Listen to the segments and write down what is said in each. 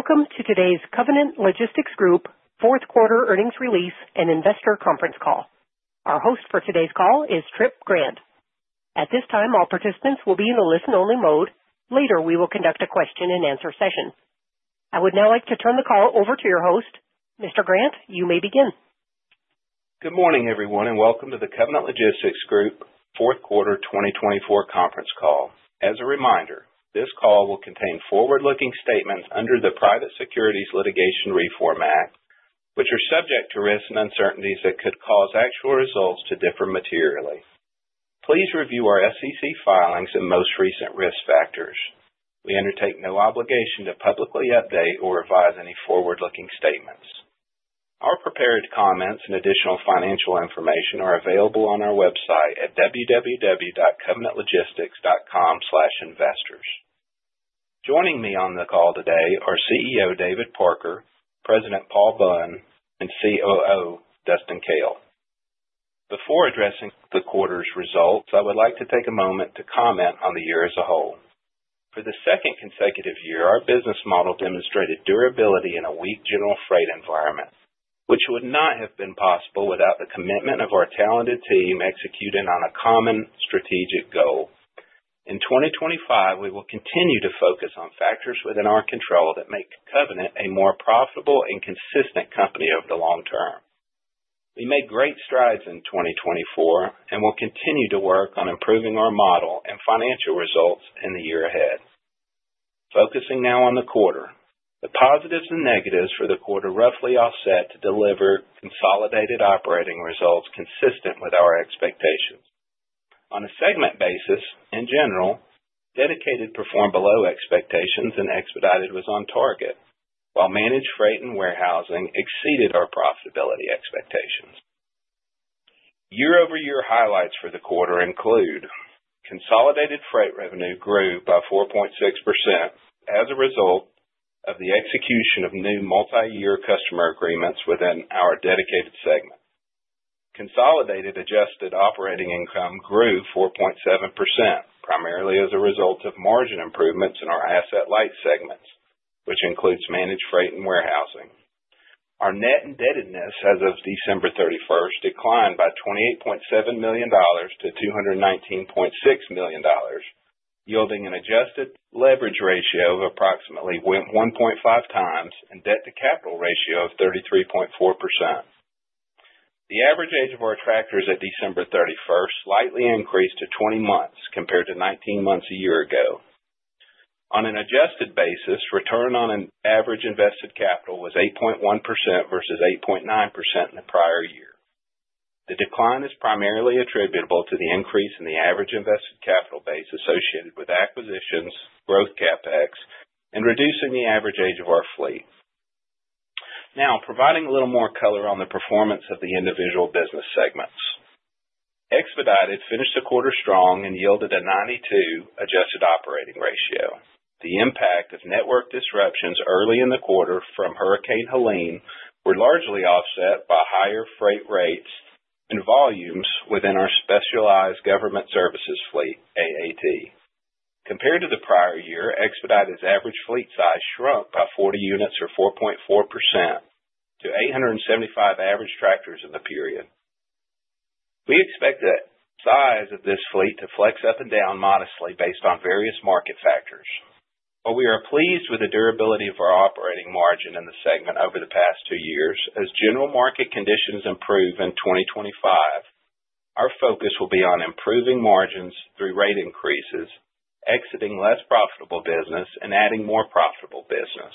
Welcome to today's Covenant Logistics Group Fourth Quarter Earnings Release and Investor Conference Call. Our host for today's call is Tripp Grant. At this time, all participants will be in a listen-only mode. Later, we will conduct a question-and-answer session. I would now like to turn the call over to your host. Mr. Grant, you may begin. Good morning, everyone, and welcome to the Covenant Logistics Group Fourth Quarter 2024 Conference Call. As a reminder, this call will contain forward-looking statements under the Private Securities Litigation Reform Act, which are subject to risks and uncertainties that could cause actual results to differ materially. Please review our SEC filings and most recent risk factors. We undertake no obligation to publicly update or revise any forward-looking statements. Our prepared comments and additional financial information are available on our website at www.covenantlogistics.com/investors. Joining me on the call today are CEO David Parker, President Paul Bunn, and COO Dustin Koehl. Before addressing the quarter's results, I would like to take a moment to comment on the year as a whole. For the second consecutive year, our business model demonstrated durability in a weak general freight environment, which would not have been possible without the commitment of our talented team executing on a common strategic goal. In 2025, we will continue to focus on factors within our control that make Covenant a more profitable and consistent company over the long term. We made great strides in 2024 and will continue to work on improving our model and financial results in the year ahead. Focusing now on the quarter, the positives and negatives for the quarter roughly offset to deliver consolidated operating results consistent with our expectations. On a segment basis, in general, dedicated performed below expectations and expedited was on target, while managed freight and warehousing exceeded our profitability expectations. Year-over-year highlights for the quarter include: consolidated freight revenue grew by 4.6% as a result of the execution of new multi-year customer agreements within our dedicated segment. Consolidated adjusted operating income grew 4.7%, primarily as a result of margin improvements in our asset light segments, which includes managed freight and warehousing. Our net indebtedness, as of December 31st, declined by $28.7 million to $219.6 million, yielding an adjusted leverage ratio of approximately 1.5 times and debt-to-capital ratio of 33.4%. The average age of our tractors at December 31st slightly increased to 20 months compared to 19 months a year ago. On an adjusted basis, return on average invested capital was 8.1% versus 8.9% in the prior year. The decline is primarily attributable to the increase in the average invested capital base associated with acquisitions, growth CapEx, and reducing the average age of our fleet. Now, providing a little more color on the performance of the individual business segments, expedited finished the quarter strong and yielded a 92% adjusted operating ratio. The impact of network disruptions early in the quarter from Hurricane Helene was largely offset by higher freight rates and volumes within our specialized government services fleet, AAT. Compared to the prior year, expedited average fleet size shrunk by 40 units or 4.4% to 875 average tractors in the period. We expect the size of this fleet to flex up and down modestly based on various market factors, but we are pleased with the durability of our operating margin in the segment over the past two years. As general market conditions improve in 2025, our focus will be on improving margins through rate increases, exiting less profitable business, and adding more profitable business.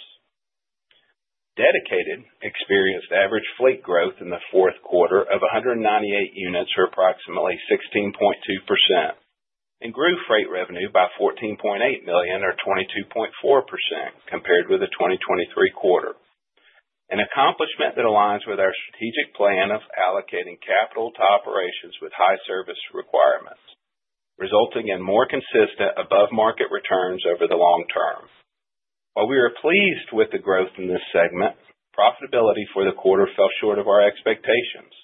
Dedicated experienced average fleet growth in the fourth quarter of 198 units or approximately 16.2% and grew freight revenue by $14.8 million or 22.4% compared with the 2023 quarter. An accomplishment that aligns with our strategic plan of allocating capital to operations with high service requirements, resulting in more consistent above-market returns over the long term. While we are pleased with the growth in this segment, profitability for the quarter fell short of our expectations.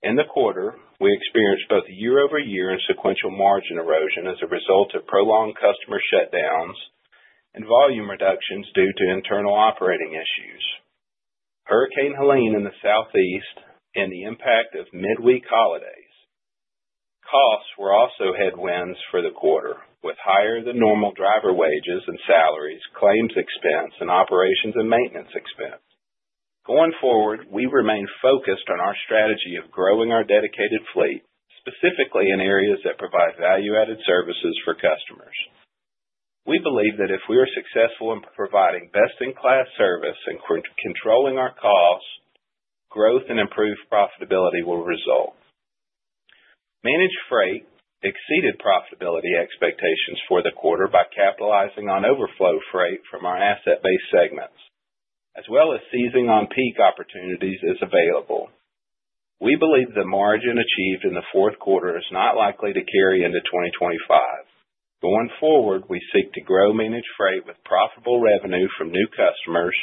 In the quarter, we experienced both year-over-year and sequential margin erosion as a result of prolonged customer shutdowns and volume reductions due to internal operating issues. Hurricane Helene in the Southeast and the impact of midweek holidays costs were also headwinds for the quarter, with higher than normal driver wages and salaries, claims expense, and operations and maintenance expense. Going forward, we remain focused on our strategy of growing our dedicated fleet, specifically in areas that provide value-added services for customers. We believe that if we are successful in providing best-in-class service and controlling our costs, growth and improved profitability will result. Managed freight exceeded profitability expectations for the quarter by capitalizing on overflow freight from our asset-based segments, as well as seizing on peak opportunities as available. We believe the margin achieved in the fourth quarter is not likely to carry into 2025. Going forward, we seek to grow managed freight with profitable revenue from new customers,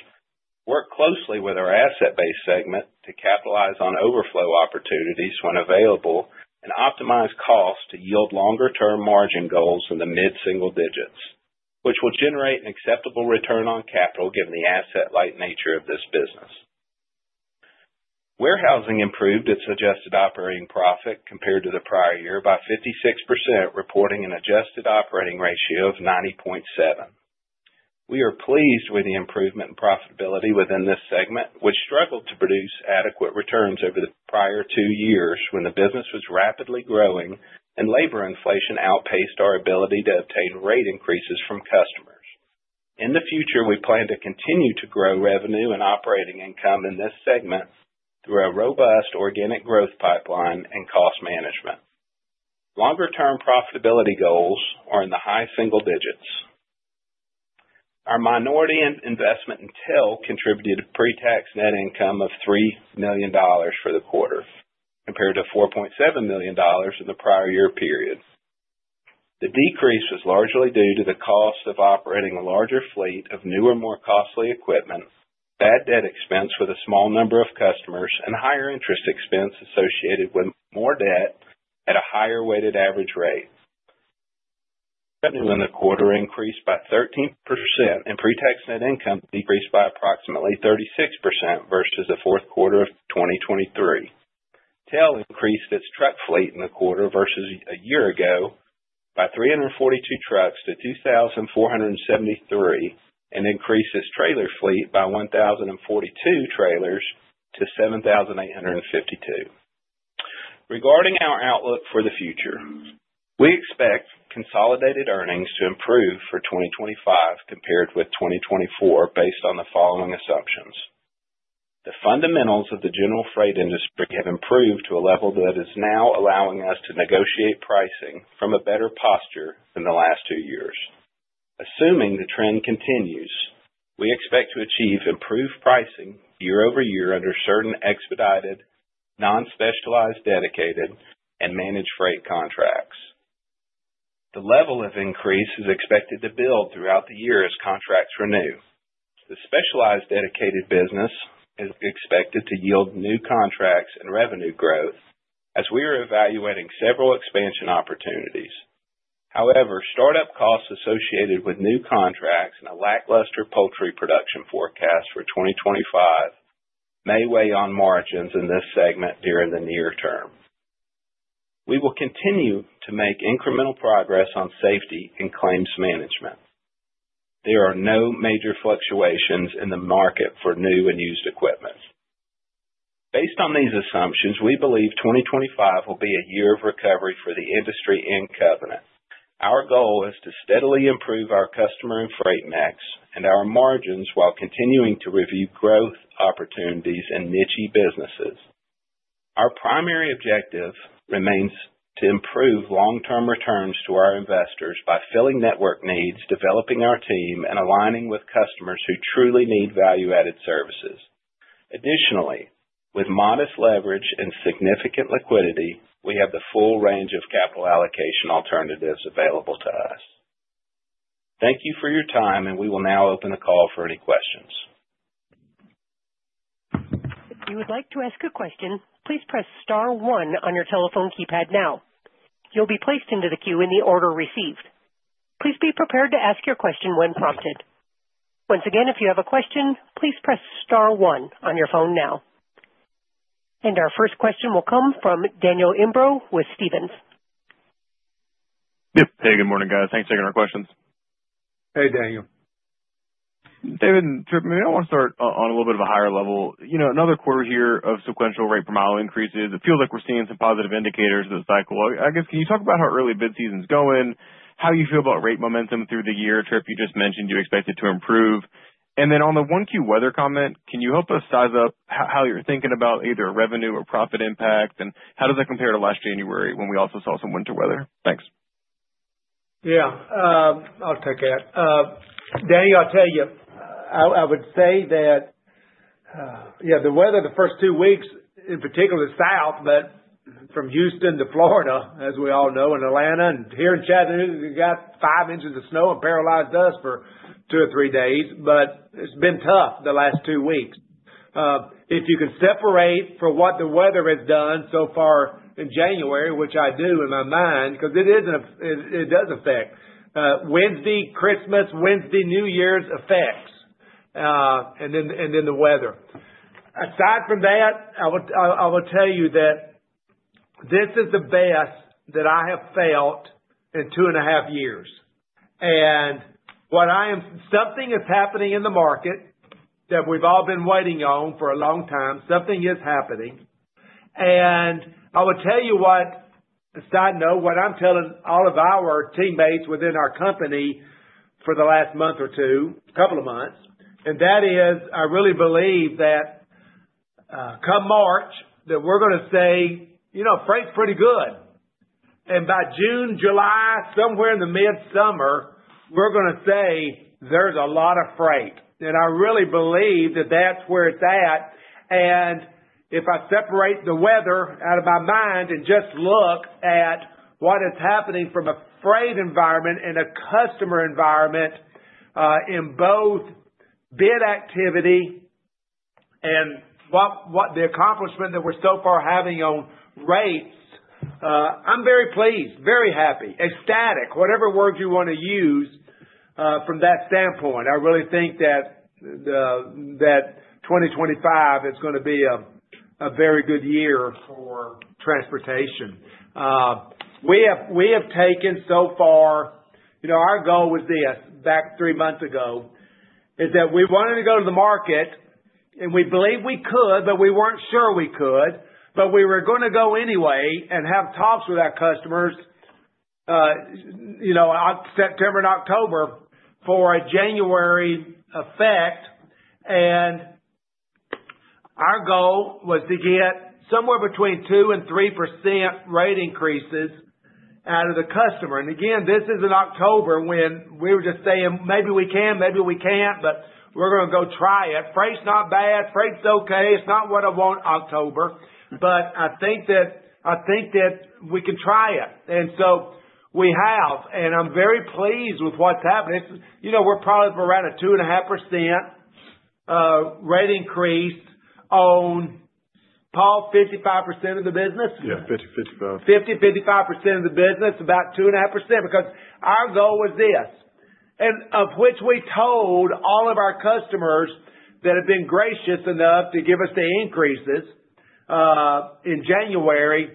work closely with our asset-based segment to capitalize on overflow opportunities when available, and optimize costs to yield longer-term margin goals in the mid-single digits, which will generate an acceptable return on capital given the asset-light nature of this business. Warehousing improved its adjusted operating profit compared to the prior year by 56%, reporting an adjusted operating ratio of 90.7%. We are pleased with the improvement in profitability within this segment, which struggled to produce adequate returns over the prior two years when the business was rapidly growing and labor inflation outpaced our ability to obtain rate increases from customers. In the future, we plan to continue to grow revenue and operating income in this segment through a robust organic growth pipeline and cost management. Longer-term profitability goals are in the high single digits. Our minority investment in TEL contributed to pre-tax net income of $3 million for the quarter, compared to $4.7 million in the prior year period. The decrease was largely due to the cost of operating a larger fleet of newer, more costly equipment, bad debt expense with a small number of customers, and higher interest expense associated with more debt at a higher-weighted average rate. Revenue in the quarter increased by 13%, and pre-tax net income decreased by approximately 36% versus the fourth quarter of 2023. Tell increased its truck fleet in the quarter versus a year ago by 342 trucks to 2,473 and increased its trailer fleet by 1,042 trailers to 7,852. Regarding our outlook for the future, we expect consolidated earnings to improve for 2025 compared with 2024 based on the following assumptions: the fundamentals of the general freight industry have improved to a level that is now allowing us to negotiate pricing from a better posture than the last two years. Assuming the trend continues, we expect to achieve improved pricing year-over-year under certain expedited, non-specialized dedicated, and managed freight contracts. The level of increase is expected to build throughout the year as contracts renew. The specialized dedicated business is expected to yield new contracts and revenue growth as we are evaluating several expansion opportunities. However, startup costs associated with new contracts and a lackluster poultry production forecast for 2025 may weigh on margins in this segment during the near term. We will continue to make incremental progress on safety and claims management. There are no major fluctuations in the market for new and used equipment. Based on these assumptions, we believe 2025 will be a year of recovery for the industry and Covenant. Our goal is to steadily improve our customer and freight mix and our margins while continuing to review growth opportunities and niche businesses. Our primary objective remains to improve long-term returns to our investors by filling network needs, developing our team, and aligning with customers who truly need value-added services. Additionally, with modest leverage and significant liquidity, we have the full range of capital allocation alternatives available to us. Thank you for your time, and we will now open the call for any questions. If you would like to ask a question, please press Star One on your telephone keypad now. You'll be placed into the queue in the order received. Please be prepared to ask your question when prompted. Once again, if you have a question, please press Star One on your phone now. And our first question will come from Daniel Imbro with Stephens. Hey, good morning, guys. Thanks for taking our questions. Hey, Daniel. David, Tripp, maybe I want to start on a little bit of a higher level. Another quarter here of sequential rate per mile increases. It feels like we're seeing some positive indicators of the cycle. I guess, can you talk about how early bid season's going? How you feel about rate momentum through the year? Tripp, you just mentioned you expect it to improve. And then on the Q1 weather comment, can you help us size up how you're thinking about either revenue or profit impact? And how does that compare to last January when we also saw some winter weather? Thanks. Yeah, I'll take that. Daniel, I'll tell you, I would say that the weather the first two weeks, in particular, south, but from Houston to Florida, as we all know, and Atlanta, and here in Chattanooga, you got five inches of snow and paralyzed us for two or three days. But it's been tough the last two weeks. If you can separate for what the weather has done so far in January, which I do in my mind, because it does affect Wednesday, Christmas, Wednesday, New Year's effects, and then the weather. Aside from that, I will tell you that this is the best that I have felt in two and a half years. And something is happening in the market that we've all been waiting on for a long time. Something is happening. I will tell you what, aside from what I'm telling all of our teammates within our company for the last month or two, a couple of months, and that is, I really believe that come March, that we're going to say freight's pretty good. By June, July, somewhere in the mid-summer, we're going to say there's a lot of freight. I really believe that that's where it's at. If I separate the weather out of my mind and just look at what is happening from a freight environment and a customer environment in both bid activity and the accomplishment that we're so far having on rates, I'm very pleased, very happy, ecstatic, whatever words you want to use from that standpoint. I really think that 2025 is going to be a very good year for transportation. We have taken so far. Our goal was this back three months ago, is that we wanted to go to the market, and we believe we could, but we weren't sure we could. But we were going to go anyway and have talks with our customers in September and October for a January effect. And our goal was to get somewhere between 2%-3% rate increases out of the customer. And again, this is in October when we were just saying, "Maybe we can, maybe we can't, but we're going to go try it." Freight's not bad. Freight's okay. It's not what I want October. But I think that we can try it. And so we have, and I'm very pleased with what's happened. We're probably around a 2.5% rate increase on, Paul, 55% of the business? Yeah, 50, 55. 50%-55% of the business, about 2.5%, because our goal was this, of which we told all of our customers that had been gracious enough to give us the increases in January,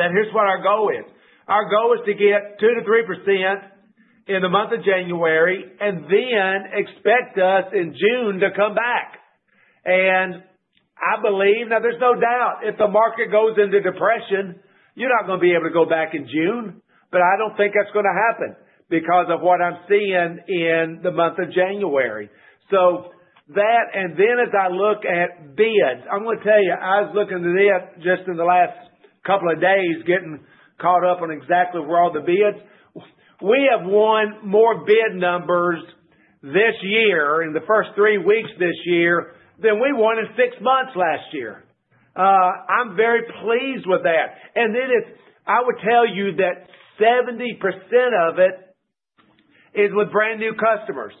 that here's what our goal is. Our goal is to get 2%-3% in the month of January and then expect us in June to come back. And I believe now there's no doubt if the market goes into depression, you're not going to be able to go back in June. But I don't think that's going to happen because of what I'm seeing in the month of January. So that, and then as I look at bids, I'm going to tell you, I was looking at this just in the last couple of days getting caught up on exactly where all the bids are. We have won more bid numbers this year in the first three weeks this year than we won in six months last year. I'm very pleased with that, and then I would tell you that 70% of it is with brand new customers.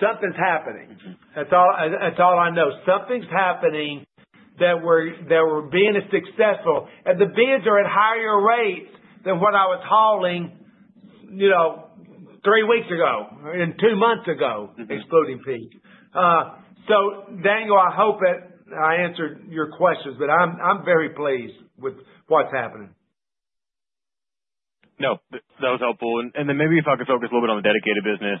Something's happening. That's all I know. Something's happening that we're being successful, and the bids are at higher rates than what I was hauling three weeks ago and two months ago, excluding peak, so Daniel, I hope I answered your questions, but I'm very pleased with what's happening. No, that was helpful. And then maybe if I could focus a little bit on the dedicated business.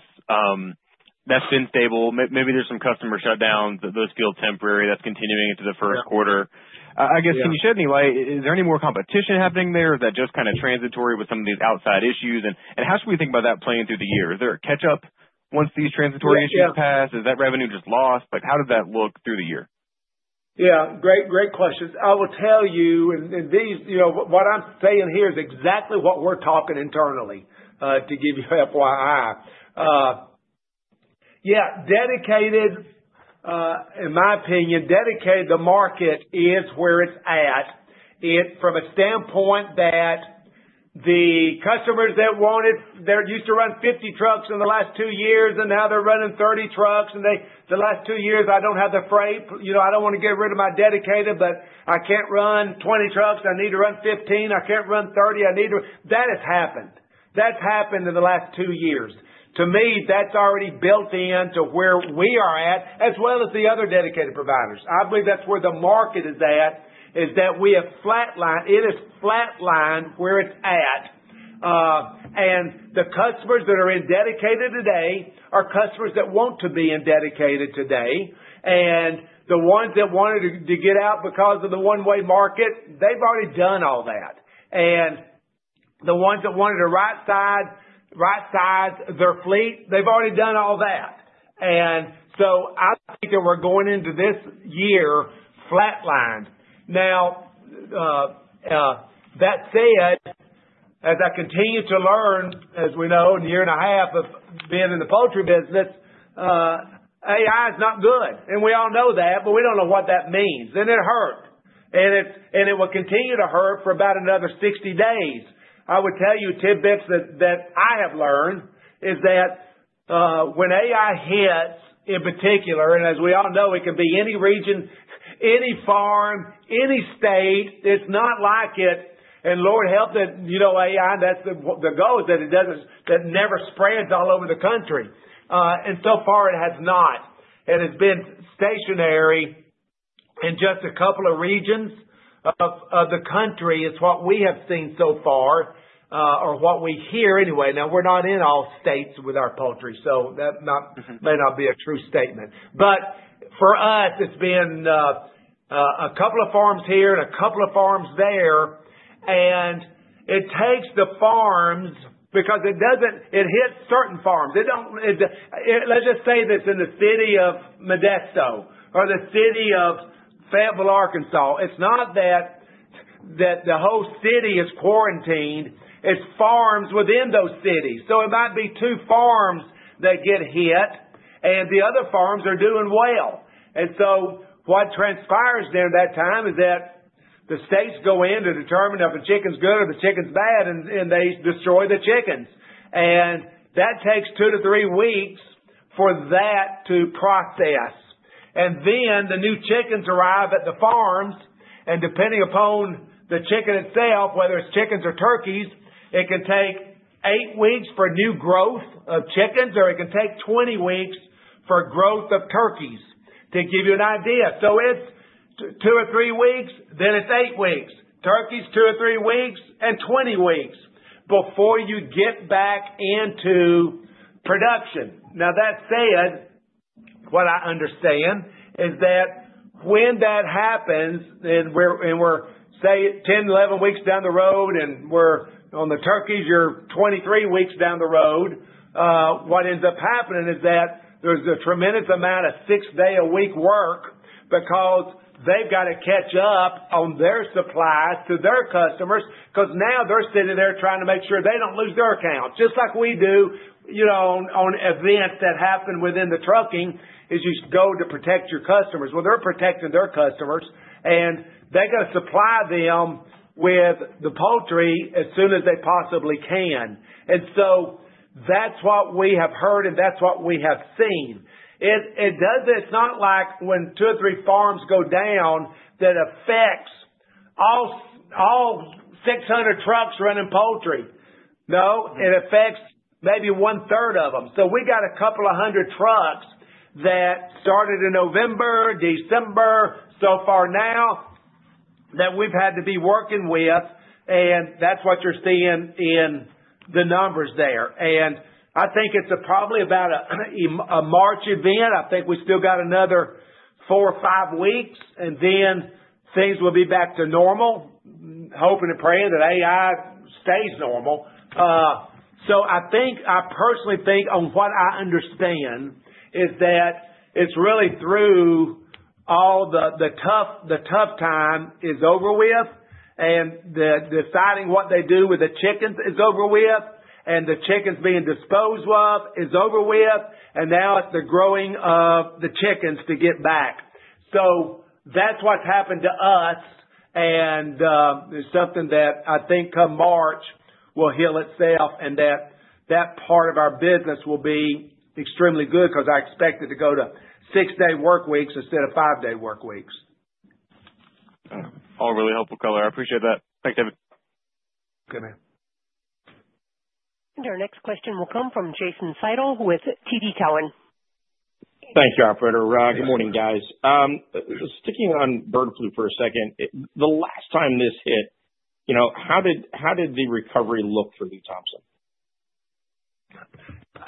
That's been stable. Maybe there's some customer shutdowns that those feel temporary. That's continuing into the first quarter. I guess, can you shed any light? Is there any more competition happening there? Is that just kind of transitory with some of these outside issues? And how should we think about that playing through the year? Is there a catch-up once these transitory issues pass? Is that revenue just lost? How does that look through the year? Yeah, great questions. I will tell you, and what I'm saying here is exactly what we're talking internally to give you FYI. Yeah, dedicated, in my opinion, dedicated, the market is where it's at from a standpoint that the customers that used to run 50 trucks in the last two years, and now they're running 30 trucks. And the last two years, I don't have the freight. I don't want to get rid of my dedicated, but I can't run 20 trucks. I need to run 15. I can't run 30. That has happened. That's happened in the last two years. To me, that's already built into where we are at, as well as the other dedicated providers. I believe that's where the market is at, is that we have flatlined. It is flatlined where it's at. And the customers that are in dedicated today are customers that want to be in dedicated today. And the ones that wanted to get out because of the one-way market, they've already done all that. And the ones that wanted to right-size their fleet, they've already done all that. And so I think that we're going into this year flatlined. Now, that said, as I continue to learn, as we know, in a year and a half of being in the poultry business, AI is not good. And we all know that, but we don't know what that means. And it hurt. And it will continue to hurt for about another 60 days. I would tell you, tid bits, that I have learned is that when AI hits, in particular, and as we all know, it can be any region, any farm, any state, it's not like it. And Lord help that AI, that's the goal, that it never spreads all over the country. And so far, it has not. And it's been stationary in just a couple of regions of the country, is what we have seen so far, or what we hear anyway. Now, we're not in all states with our poultry, so that may not be a true statement. But for us, it's been a couple of farms here and a couple of farms there. And it takes the farms because it hits certain farms. Let's just say that's in the city of Modesto or the city of Fayetteville, Arkansas. It's not that the whole city is quarantined. It's farms within those cities. So it might be two farms that get hit, and the other farms are doing well. What transpires during that time is that the states go in to determine if a chicken's good or the chicken's bad, and they destroy the chickens. That takes two to three weeks for that to process. Then the new chickens arrive at the farms. Depending upon the chicken itself, whether it's chickens or turkeys, it can take eight weeks for new growth of chickens, or it can take 20 weeks for growth of turkeys, to give you an idea. It's two or three weeks, then it's eight weeks. Turkeys, two or three weeks, and 20 weeks before you get back into production. Now, that said, what I understand is that when that happens, and we're 10, 11 weeks down the road, and we're on the turkeys, you're 23 weeks down the road, what ends up happening is that there's a tremendous amount of six-day-a-week work because they've got to catch up on their supplies to their customers because now they're sitting there trying to make sure they don't lose their account. Just like we do on events that happen within the trucking is you go to protect your customers. Well, they're protecting their customers, and they're going to supply them with the poultry as soon as they possibly can. And so that's what we have heard, and that's what we have seen. It's not like when two or three farms go down that affects all 600 trucks running poultry. No, it affects maybe one-third of them. So we got a couple of hundred trucks that started in November, December, so far now, that we've had to be working with. And that's what you're seeing in the numbers there. And I think it's probably about a March event. I think we've still got another four or five weeks, and then things will be back to normal. Hoping and praying that AI stays normal. So I personally think, on what I understand, is that it's really through all the tough time is over with, and deciding what they do with the chickens is over with, and the chickens being disposed of is over with, and now it's the growing of the chickens to get back. So that's what's happened to us. It's something that I think come March will heal itself, and that part of our business will be extremely good because I expect it to go to six-day work weeks instead of five-day work weeks. All really helpful color. I appreciate that. Thank you, David. Okay. Our next question will come from Jason Seidl with TD Cowen. Thank you, operator. Good morning, guys. Sticking on bird flu for a second, the last time this hit, how did the recovery look for Lew Thompson?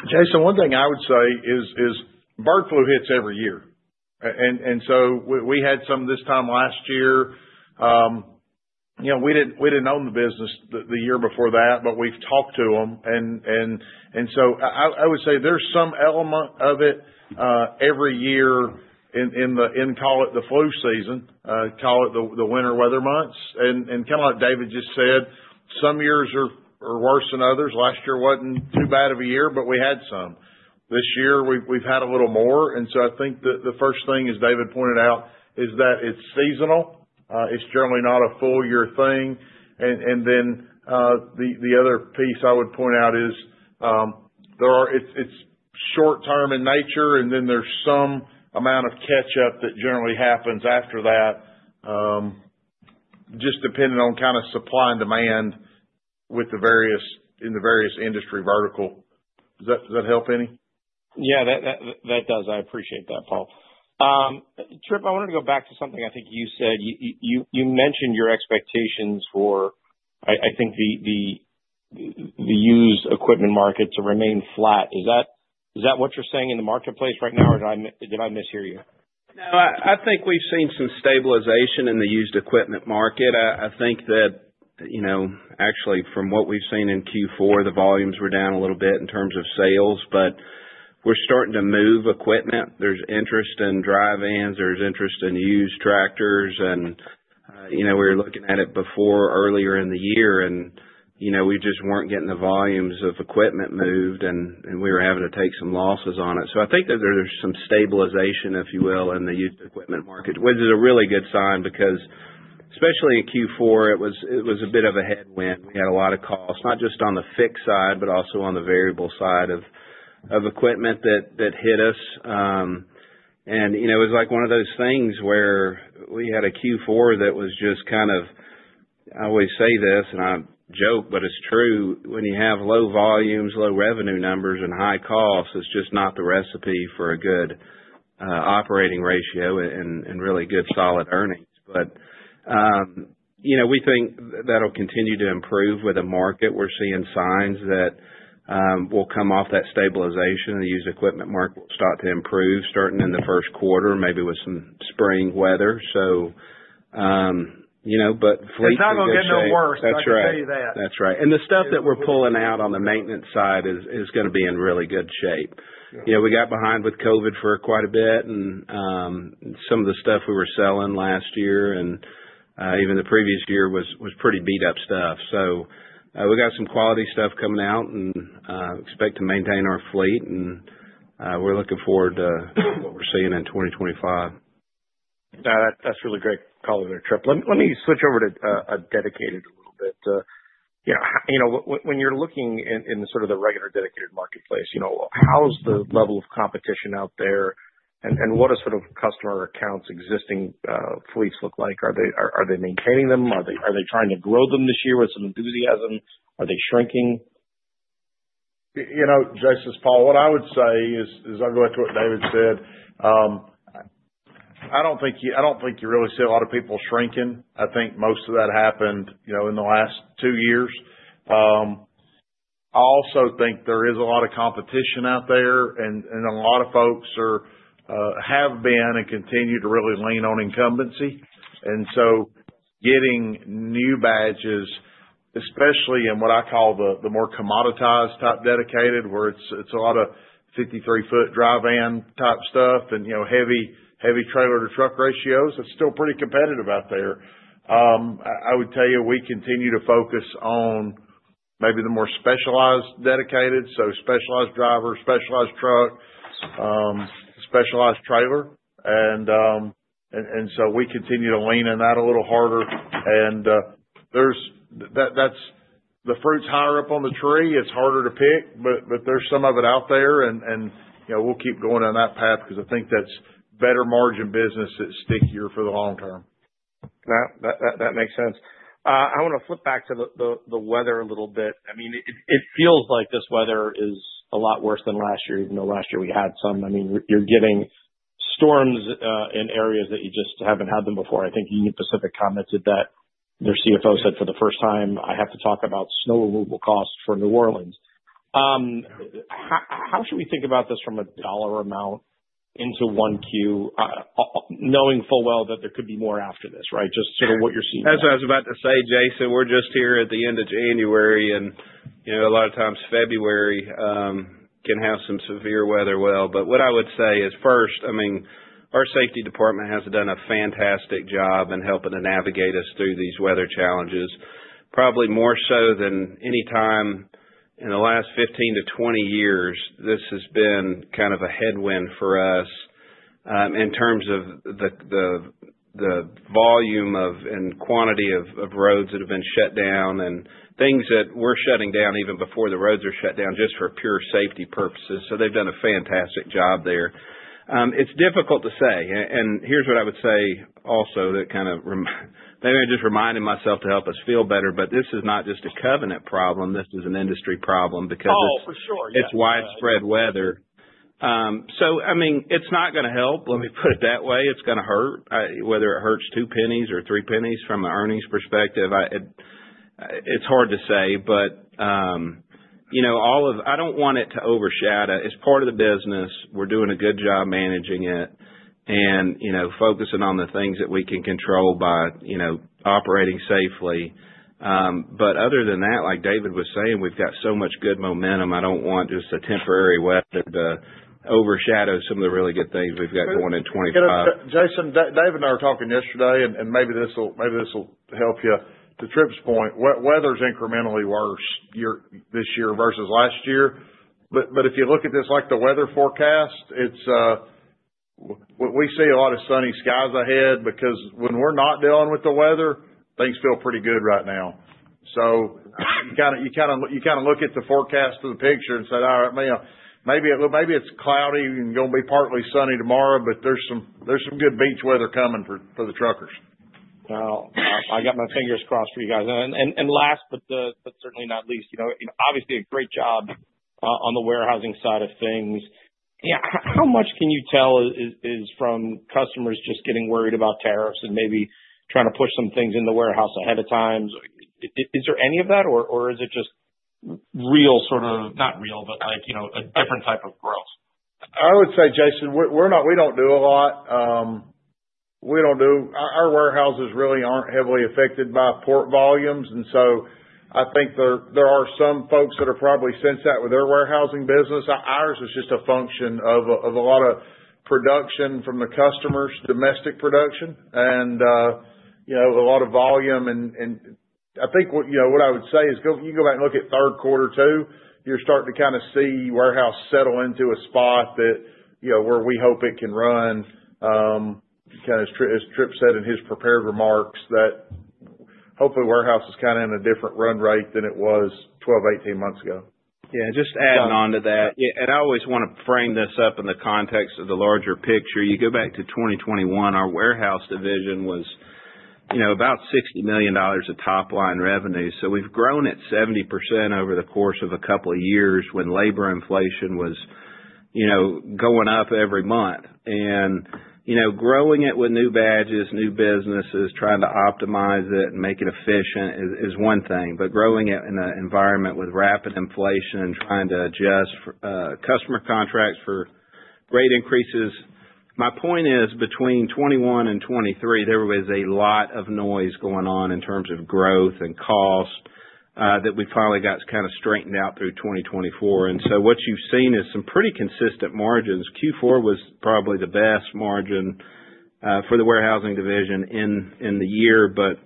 Jason, one thing I would say is bird flu hits every year. And so we had some this time last year. We didn't own the business the year before that, but we've talked to them. And so I would say there's some element of it every year in, call it the flu season, call it the winter weather months. And kind of like David just said, some years are worse than others. Last year wasn't too bad of a year, but we had some. This year, we've had a little more. And so I think the first thing, as David pointed out, is that it's seasonal. It's generally not a full-year thing. And then the other piece I would point out is it's short-term in nature, and then there's some amount of catch-up that generally happens after that, just depending on kind of supply and demand in the various industry vertical. Does that help any? Yeah, that does. I appreciate that, Paul. Tripp, I wanted to go back to something I think you said. You mentioned your expectations for, I think, the used equipment market to remain flat. Is that what you're saying in the marketplace right now, or did I mishear you? No, I think we've seen some stabilization in the used equipment market. I think that actually, from what we've seen in Q4, the volumes were down a little bit in terms of sales, but we're starting to move equipment. There's interest in dry vans. There's interest in used tractors. And we were looking at it before, earlier in the year, and we just weren't getting the volumes of equipment moved, and we were having to take some losses on it. So I think that there's some stabilization, if you will, in the used equipment market, which is a really good sign because, especially in Q4, it was a bit of a headwind. We had a lot of costs, not just on the fixed side, but also on the variable side of equipment that hit us. It was like one of those things where we had a Q4 that was just kind of, I always say this, and I joke, but it's true. When you have low volumes, low revenue numbers, and high costs, it's just not the recipe for a good operating ratio and really good solid earnings. But we think that'll continue to improve with a market. We're seeing signs that we'll come off that stabilization, and the used equipment market will start to improve, starting in the first quarter, maybe with some spring weather. So, but fleets are. It's not going to get no worse. I can tell you that. That's right. That's right. And the stuff that we're pulling out on the maintenance side is going to be in really good shape. We got behind with COVID for quite a bit, and some of the stuff we were selling last year and even the previous year was pretty beat-up stuff. So we got some quality stuff coming out, and we expect to maintain our fleet. And we're looking forward to what we're seeing in 2025. That's really great color, Tripp. Let me switch over to dedicated a little bit. When you're looking in sort of the regular dedicated marketplace, how's the level of competition out there? And what are sort of customer accounts existing fleets look like? Are they maintaining them? Are they trying to grow them this year with some enthusiasm? Are they shrinking? Jason, Paul, what I would say is I'll go to what David said. I don't think you really see a lot of people shrinking. I think most of that happened in the last two years. I also think there is a lot of competition out there, and a lot of folks have been and continue to really lean on incumbency, and so getting new logos, especially in what I call the more commoditized type dedicated, where it's a lot of 53-foot drive-in type stuff and heavy trailer to truck ratios, it's still pretty competitive out there. I would tell you we continue to focus on maybe the more specialized dedicated, so specialized driver, specialized truck, specialized trailer, and so we continue to lean on that a little harder, and that's the fruit's higher up on the tree. It's harder to pick, but there's some of it out there. We'll keep going on that path because I think that's better margin business that's stickier for the long term. That makes sense. I want to flip back to the weather a little bit. I mean, it feels like this weather is a lot worse than last year, even though last year we had some. I mean, you're getting storms in areas that you just haven't had them before. I think Union Pacific commented that their CFO said for the first time, "I have to talk about snow removal costs for New Orleans." How should we think about this from a dollar amount into one Q, knowing full well that there could be more after this, right? Just sort of what you're seeing. As I was about to say, Jason, we're just here at the end of January, and a lot of times February can have some severe weather, well. But what I would say is first, I mean, our safety department has done a fantastic job in helping to navigate us through these weather challenges. Probably more so than any time in the last 15 to 20 years, this has been kind of a headwind for us in terms of the volume and quantity of roads that have been shut down and things that we're shutting down even before the roads are shut down just for pure safety purposes. So they've done a fantastic job there. It's difficult to say. And here's what I would say also that kind of maybe just reminding myself to help us feel better, but this is not just a Covenant problem. This is an industry problem because it's widespread weather. So I mean, it's not going to help. Let me put it that way. It's going to hurt. Whether it hurts two pennies or three pennies from an earnings perspective, it's hard to say. But I don't want it to overshadow. It's part of the business. We're doing a good job managing it and focusing on the things that we can control by operating safely. But other than that, like David was saying, we've got so much good momentum. I don't want just a temporary weather to overshadow some of the really good things we've got going in 2025. Jason, David and I were talking yesterday, and maybe this will help you. To Tripp's point, weather's incrementally worse this year versus last year. But if you look at this like the weather forecast, we see a lot of sunny skies ahead because when we're not dealing with the weather, things feel pretty good right now. So you kind of look at the forecast of the picture and say, "All right, maybe it's cloudy and going to be partly sunny tomorrow, but there's some good beach weather coming for the truckers. Well, I got my fingers crossed for you guys. And last, but certainly not least, obviously a great job on the warehousing side of things. Yeah, how much can you tell us is from customers just getting worried about tariffs and maybe trying to push some things in the warehouse ahead of time? Is there any of that, or is it just real sort of not real, but a different type of growth? I would say, Jason, we don't do a lot. Our warehouses really aren't heavily affected by port volumes. And so I think there are some folks that are probably sensed that with their warehousing business. Ours is just a function of a lot of production from the customers, domestic production, and a lot of volume. And I think what I would say is you go back and look at third quarter too, you're starting to kind of see warehouse settle into a spot where we hope it can run. Kind of as Tripp said in his prepared remarks, that hopefully warehouse is kind of in a different run rate than it was 12, 18 months ago. Yeah, just adding on to that. And I always want to frame this up in the context of the larger picture. You go back to 2021, our warehouse division was about $60 million of top-line revenue. So we've grown at 70% over the course of a couple of years when labor inflation was going up every month. And growing it with new badges, new businesses, trying to optimize it and make it efficient is one thing. But growing it in an environment with rapid inflation and trying to adjust customer contracts for great increases. My point is between 2021 and 2023, there was a lot of noise going on in terms of growth and cost that we finally got kind of straightened out through 2024. And so what you've seen is some pretty consistent margins. Q4 was probably the best margin for the warehousing division in the year, but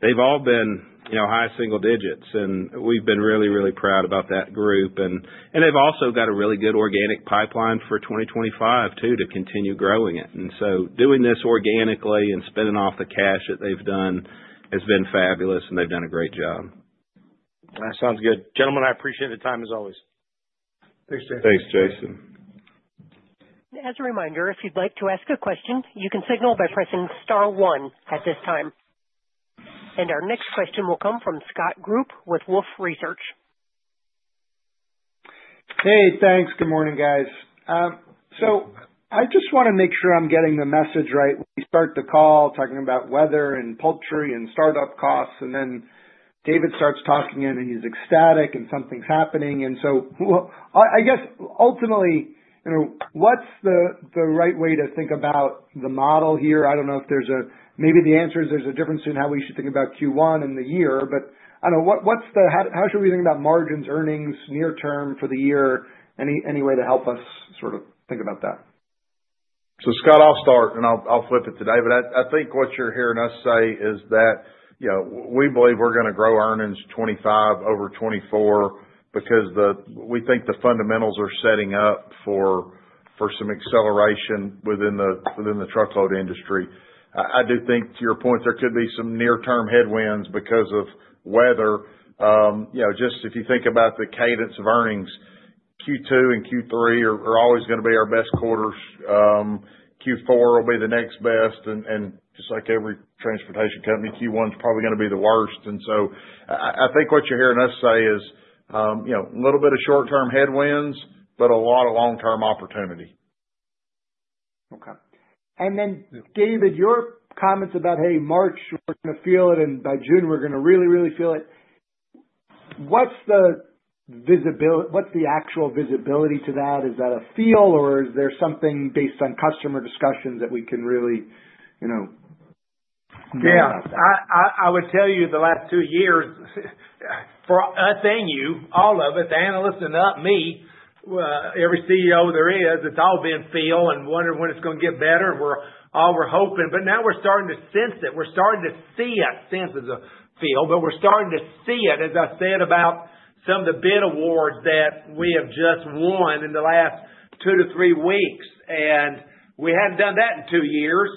they've all been high single digits, and we've been really, really proud about that group, and they've also got a really good organic pipeline for 2025 too to continue growing it, and so doing this organically and spinning off the cash that they've done has been fabulous, and they've done a great job. That sounds good. Gentlemen, I appreciate the time as always. Thanks, Jason. Thanks, Jason. As a reminder, if you'd like to ask a question, you can signal by pressing Star One at this time, and our next question will come from Scott Group with Wolfe Research. Hey, thanks. Good morning, guys, so I just want to make sure I'm getting the message right. We start the call talking about weather and poultry and startup costs, and then David starts talking, and he's ecstatic and something's happening, and so I guess ultimately, what's the right way to think about the model here? I don't know if there's maybe the answer is there's a difference in how we should think about Q1 and the year, but I don't know. How should we think about margins, earnings near-term for the year? Any way to help us sort of think about that? So Scott, I'll start, and I'll flip it to David. I think what you're hearing us say is that we believe we're going to grow earnings 2025 over 2024 because we think the fundamentals are setting up for some acceleration within the truckload industry. I do think, to your point, there could be some near-term headwinds because of weather. Just if you think about the cadence of earnings, Q2 and Q3 are always going to be our best quarters. Q4 will be the next best. And just like every transportation company, Q1 is probably going to be the worst. And so I think what you're hearing us say is a little bit of short-term headwinds, but a lot of long-term opportunity. Okay. And then, David, your comments about, "Hey, March we're going to feel it, and by June we're going to really, really feel it." What's the actual visibility to that? Is that a feel, or is there something based on customer discussions that we can really? Yeah. I would tell you the last two years, us and you, all of us, analysts and me, every CEO there is, it's all been feel and wondering when it's going to get better. All we're hoping, but now we're starting to sense it. We're starting to see it, sense as a feel, but we're starting to see it, as I said about some of the bid awards that we have just won in the last two to three weeks, and we hadn't done that in two years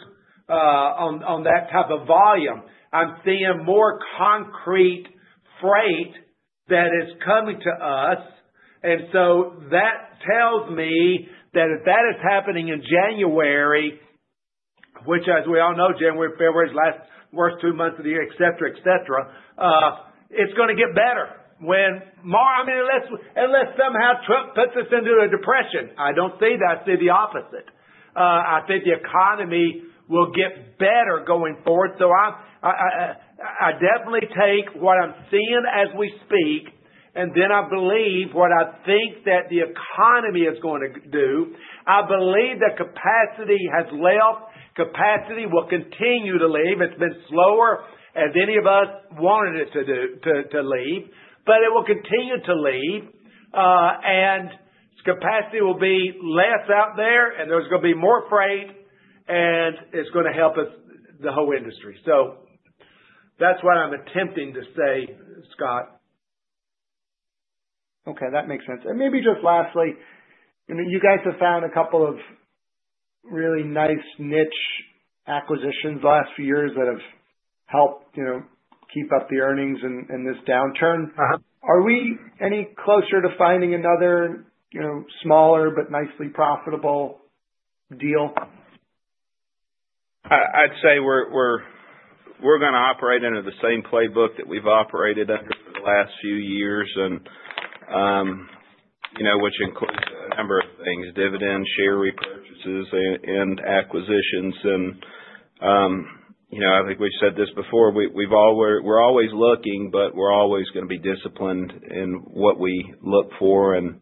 on that type of volume. I'm seeing more concrete freight that is coming to us, and so that tells me that if that is happening in January, which as we all know, January, February, the last worst two months of the year, etc., etc., it's going to get better. I mean, unless somehow Trump puts us into a depression. I don't see that. I see the opposite. I think the economy will get better going forward. So I definitely take what I'm seeing as we speak, and then I believe what I think that the economy is going to do. I believe that capacity has left. Capacity will continue to leave. It's been slower as any of us wanted it to leave, but it will continue to leave. And capacity will be less out there, and there's going to be more freight, and it's going to help us, the whole industry. So that's what I'm attempting to say, Scott. Okay. That makes sense. And maybe just lastly, you guys have found a couple of really nice niche acquisitions the last few years that have helped keep up the earnings in this downturn. Are we any closer to finding another smaller but nicely profitable deal? I'd say we're going to operate under the same playbook that we've operated under for the last few years, which includes a number of things: dividends, share repurchases, and acquisitions. And I think we've said this before, we're always looking, but we're always going to be disciplined in what we look for and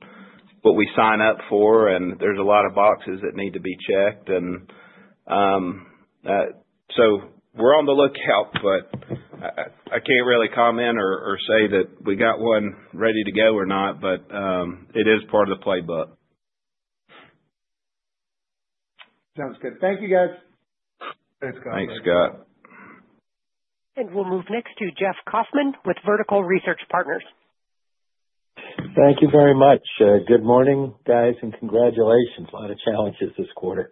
what we sign up for. And there's a lot of boxes that need to be checked. And so we're on the lookout, but I can't really comment or say that we got one ready to go or not, but it is part of the playbook. Sounds good. Thank you, guys. Thanks, Scott. Thanks, Scott. We'll move next to Jeff Kauffman with Vertical Research Partners. Thank you very much. Good morning, guys, and congratulations. A lot of challenges this quarter.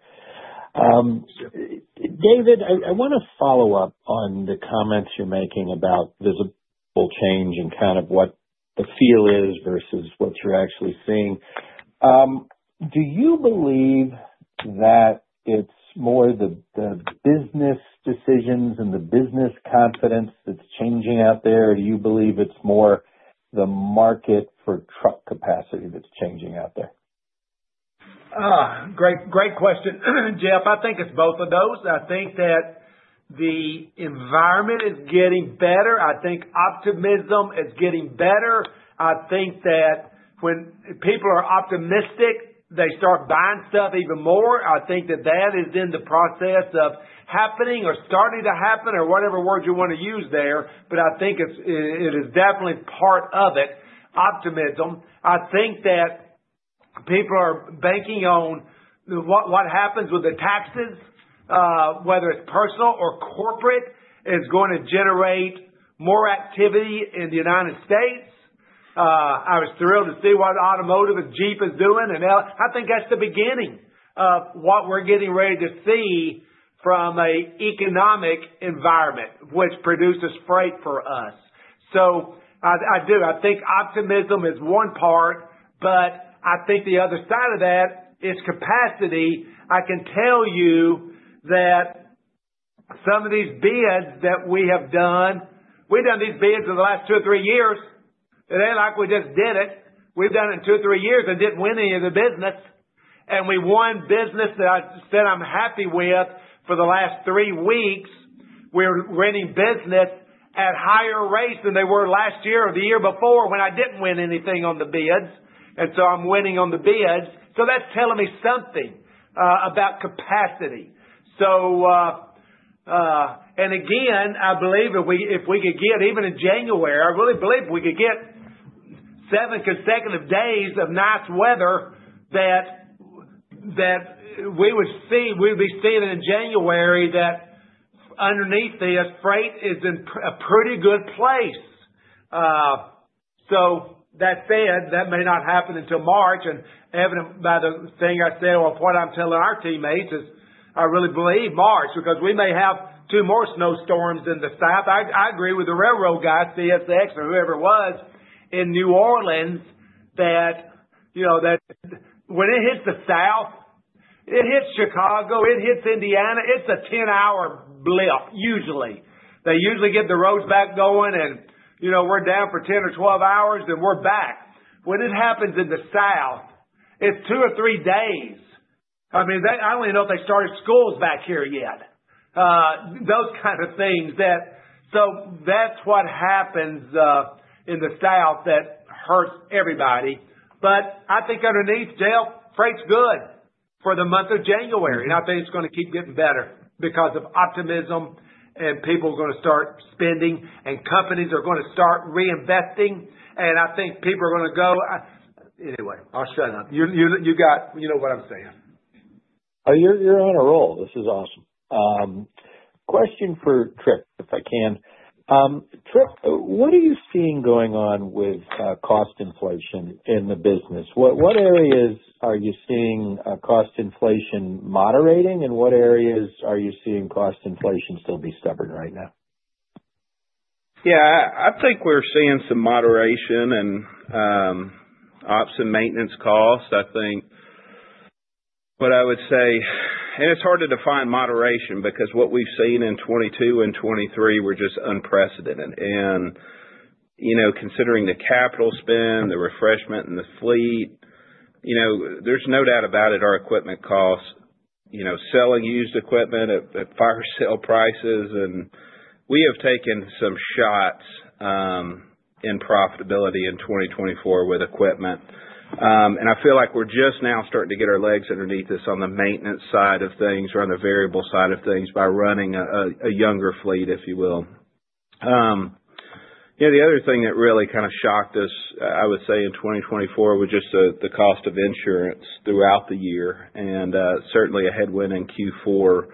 David, I want to follow up on the comments you're making about visible change and kind of what the feel is versus what you're actually seeing. Do you believe that it's more the business decisions and the business confidence that's changing out there, or do you believe it's more the market for truck capacity that's changing out there? Great question, Jeff. I think it's both of those. I think that the environment is getting better. I think optimism is getting better. I think that when people are optimistic, they start buying stuff even more. I think that that is in the process of happening or starting to happen or whatever word you want to use there, but I think it is definitely part of it, optimism. I think that people are banking on what happens with the taxes, whether it's personal or corporate, is going to generate more activity in the United States. I was thrilled to see what automotive and Jeep is doing, and I think that's the beginning of what we're getting ready to see from an economic environment, which produces freight for us. So I do, I think optimism is one part, but I think the other side of that is capacity. I can tell you that some of these bids that we have done, we've done these bids in the last two or three years. It ain't like we just did it. We've done it in two or three years and didn't win any of the business, and we won business that I said I'm happy with for the last three weeks. We're winning business at higher rates than they were last year or the year before when I didn't win anything on the bids, and so I'm winning on the bids, so that's telling me something about capacity, and again, I believe if we could get even in January, I really believe we could get seven consecutive days of nice weather that we would be seeing in January, that underneath this, freight is in a pretty good place, so that said, that may not happen until March. And by the thing I said or what I'm telling our teammates is I really believe March because we may have two more snowstorms in the south. I agree with the railroad guys, CSX or whoever it was in New Orleans, that when it hits the south, it hits Chicago, it hits Indiana. It's a 10-hour blip, usually. They usually get the roads back going, and we're down for 10 or 12 hours, then we're back. When it happens in the south, it's two or three days. I mean, I don't even know if they started schools back here yet. Those kind of things that so that's what happens in the south that hurts everybody. But I think underneath, Jeff, freight's good for the month of January. I think it's going to keep getting better because of optimism, and people are going to start spending, and companies are going to start reinvesting, and I think people are going to go anyway. I'll shut up. You know what I'm saying. You're on a roll. This is awesome. Question for Tripp, if I can. Tripp, what are you seeing going on with cost inflation in the business? What areas are you seeing cost inflation moderating, and what areas are you seeing cost inflation still be stubborn right now? Yeah. I think we're seeing some moderation in ops and maintenance costs, I think, but I would say, and it's hard to define moderation because what we've seen in 2022 and 2023 were just unprecedented, and considering the capital spend, the refreshment, and the fleet, there's no doubt about it, our equipment costs, selling used equipment at fire sale prices, and we have taken some shots in profitability in 2024 with equipment, and I feel like we're just now starting to get our legs underneath us on the maintenance side of things or on the variable side of things by running a younger fleet, if you will. The other thing that really kind of shocked us, I would say, in 2024 was just the cost of insurance throughout the year and certainly a headwind in Q4,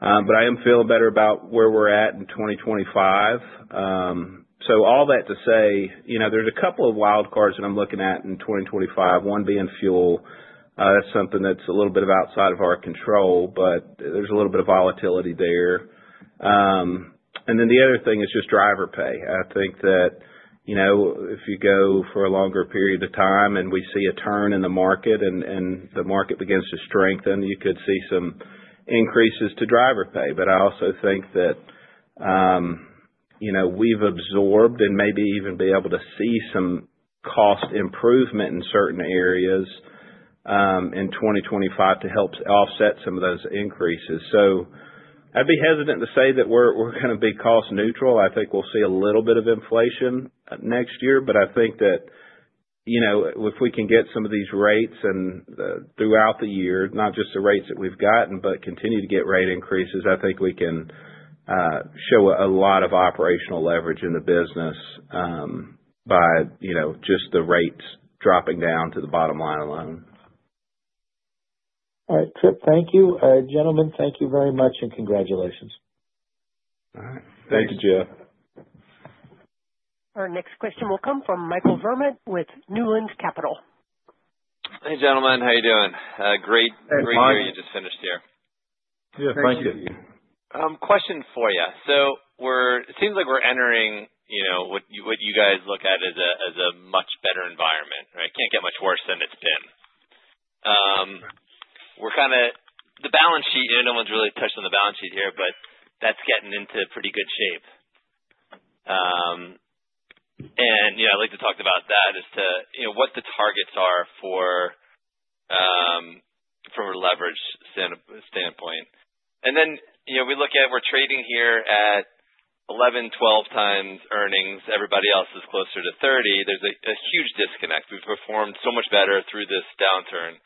but I am feeling better about where we're at in 2025. So all that to say, there's a couple of wild cards that I'm looking at in 2025, one being fuel. That's something that's a little bit of outside of our control, but there's a little bit of volatility there. And then the other thing is just driver pay. I think that if you go for a longer period of time and we see a turn in the market and the market begins to strengthen, you could see some increases to driver pay. But I also think that we've absorbed and maybe even be able to see some cost improvement in certain areas in 2025 to help offset some of those increases. So I'd be hesitant to say that we're going to be cost neutral. I think we'll see a little bit of inflation next year, but I think that if we can get some of these rates throughout the year, not just the rates that we've gotten, but continue to get rate increases, I think we can show a lot of operational leverage in the business by just the rates dropping down to the bottom line alone. All right. Tripp, thank you. Gentlemen, thank you very much and congratulations. All right. Thank you. Thank you, Jeff. Our next question will come from Michael Vermut with Newland Capital. Hey, gentlemen. How are you doing? Great. Hey, Mike. Great viewing you just finished here. Yeah. Thank you. Question for you. So it seems like we're entering what you guys look at as a much better environment, right? Can't get much worse than it's been. The balance sheet, no one's really touched on the balance sheet here, but that's getting into pretty good shape. And I'd like to talk about that as to what the targets are from a leverage standpoint. And then we look at we're trading here at 11-12 times earnings. Everybody else is closer to 30. There's a huge disconnect. We've performed so much better through this downturn.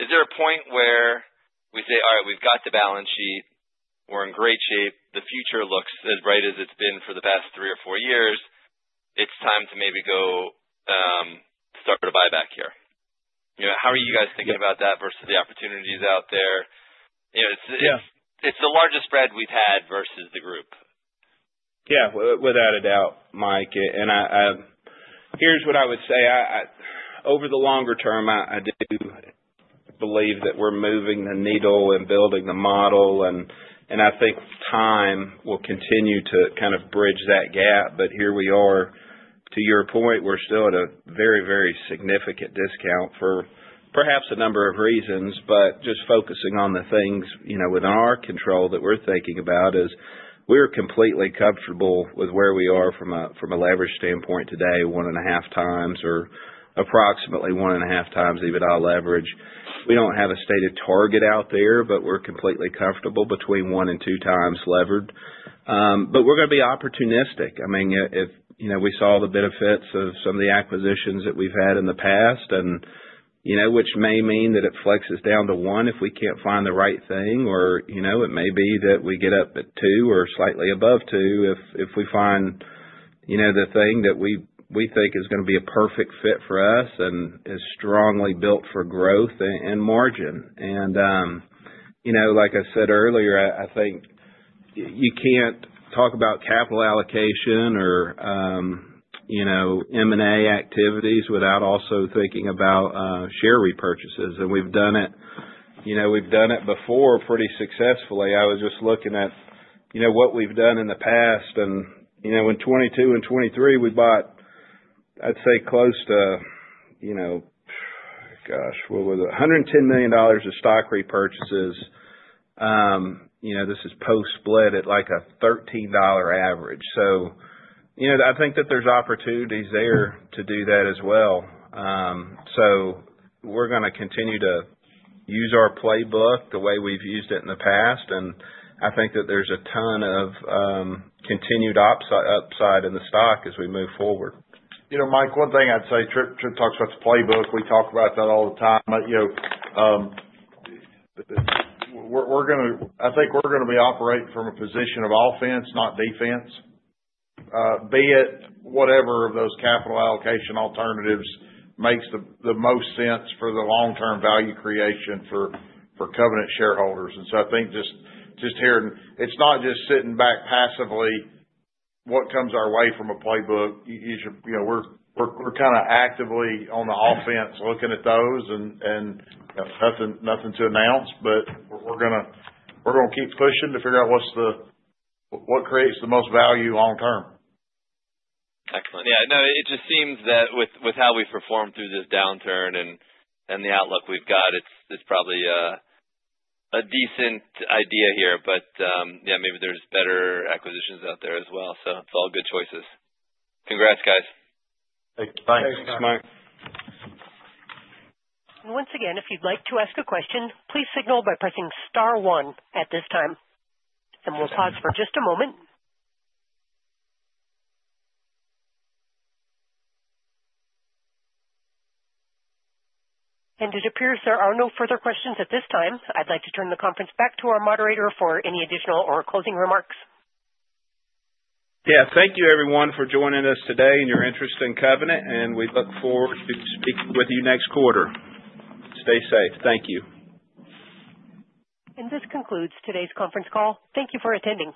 Is there a point where we say, "All right, we've got the balance sheet. We're in great shape. The future looks as bright as it's been for the past three or four years. It's time to maybe go start a buyback here." How are you guys thinking about that versus the opportunities out there? It's the largest spread we've had versus the group. Yeah. Without a doubt, Mike. And here's what I would say. Over the longer term, I do believe that we're moving the needle and building the model. And I think time will continue to kind of bridge that gap. But here we are, to your point, we're still at a very, very significant discount for perhaps a number of reasons. But just focusing on the things within our control that we're thinking about is we're completely comfortable with where we are from a leverage standpoint today, one and a half times or approximately one and a half times even our leverage. We don't have a stated target out there, but we're completely comfortable between one and two times levered. But we're going to be opportunistic. I mean, we saw the benefits of some of the acquisitions that we've had in the past, which may mean that it flexes down to one if we can't find the right thing. Or it may be that we get up at two or slightly above two if we find the thing that we think is going to be a perfect fit for us and is strongly built for growth and margin. And like I said earlier, I think you can't talk about capital allocation or M&A activities without also thinking about share repurchases. And we've done it. We've done it before pretty successfully. I was just looking at what we've done in the past. And in 2022 and 2023, we bought, I'd say, close to, gosh, what was it? $110 million of stock repurchases. This is post-split at like a $13 average. So I think that there's opportunities there to do that as well. So we're going to continue to use our playbook the way we've used it in the past. And I think that there's a ton of continued upside in the stock as we move forward. Mike, one thing I'd say, Tripp talks about the playbook. We talk about that all the time. I think we're going to be operating from a position of offense, not defense, be it whatever of those capital allocation alternatives makes the most sense for the long-term value creation for Covenant shareholders. And so I think just here, it's not just sitting back passively. What comes our way from a playbook? We're kind of actively on the offense looking at those and nothing to announce, but we're going to keep pushing to figure out what creates the most value long term. Excellent. Yeah. No, it just seems that with how we've performed through this downturn and the outlook we've got, it's probably a decent idea here. But yeah, maybe there's better acquisitions out there as well. So it's all good choices. Congrats, guys. Thanks. Thanks, Mike. Once again, if you'd like to ask a question, please signal by pressing Star One at this time. We'll pause for just a moment. It appears there are no further questions at this time. I'd like to turn the conference back to our moderator for any additional or closing remarks. Yeah. Thank you, everyone, for joining us today and your interest in Covenant, and we look forward to speaking with you next quarter. Stay safe. Thank you. This concludes today's conference call. Thank you for attending.